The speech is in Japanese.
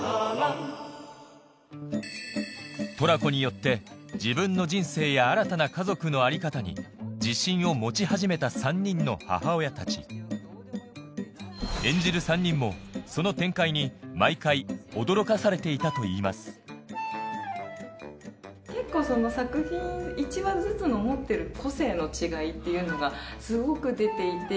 トラコによって自分の人生や新たな家族の在り方に自信を持ち始めた３人の母親たち演じる３人もその展開に毎回驚かされていたといいます結構作品１話ずつの持ってる個性の違いっていうのがすごく出ていて。